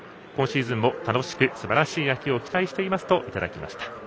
今シーズンも楽しく、すばらしい野球を期待していますといただきました。